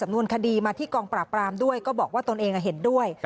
นวนคดีมาที่กองปราบปรามด้วยก็บอกว่าตนเองเห็นด้วย